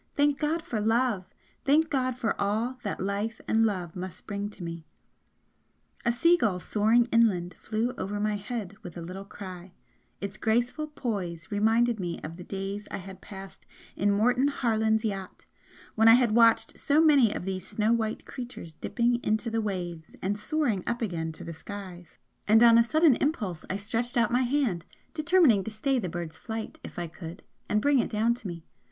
Thank God for Love! Thank God for all that Life and Love must bring to me!" A sea gull soaring inland flew over my head with a little cry its graceful poise reminded me of the days I had passed in Morton Harland's yacht, when I had watched so many of these snow white creatures dipping into the waves, and soaring up again to the skies and on a sudden impulse I stretched out my hand, determining to stay the bird's flight if I could and bring it down to me.